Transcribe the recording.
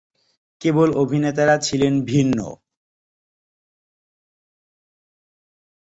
কেবল অভিনেতারা ছিলেন ভিন্ন।